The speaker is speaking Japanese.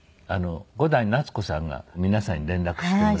伍代夏子さんが皆さんに連絡してくださって。